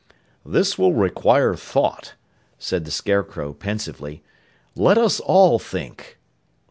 "This will require thought," said the Scarecrow pensively. "Let us all think."